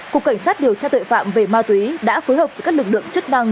cục cảnh sát điều tra tội phạm về ma túy đã phối hợp với các lực lượng chức năng